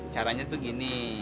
caranya tuh gini